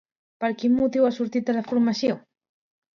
Per quin motiu ha sortit de la formació?